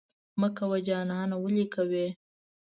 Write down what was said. مه کوه جانانه ولې کوې؟